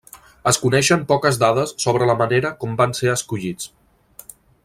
Es coneixen poques dades sobre la manera com van ser escollits.